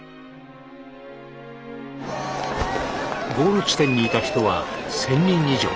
ゴール地点にいた人は１，０００人以上。